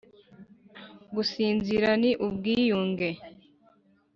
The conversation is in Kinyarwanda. gusinzira ni ubwiyunge,